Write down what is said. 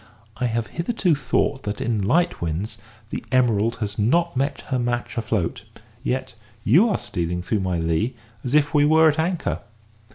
I have hitherto thought that, in light winds, the Emerald has not her match afloat; yet you are stealing through my lee as if we were at anchor.